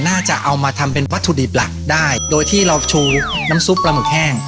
น่าจะเอามาทำเป็นวัตถุดิบหลักได้โดยที่เราชูน้ำซุปปลาหมึกแห้ง